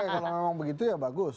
kalau memang begitu ya bagus